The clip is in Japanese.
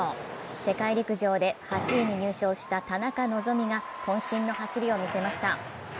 世界陸上で８位に入賞した田中希実がこん身の走りを見せました。